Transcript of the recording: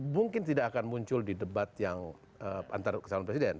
mungkin tidak akan muncul di debat yang antara kesalahan presiden